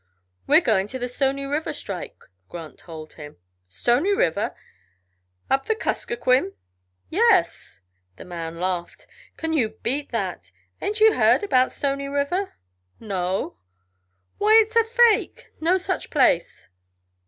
"We're going to the Stony River strike," Grant told him. "Stony River? Up the Kuskokwim?" "Yes!" The mail man laughed. "Can you beat that? Ain't you heard about Stony River?" "No!" "Why, it's a fake no such place."